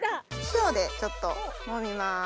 塩でちょっともみます。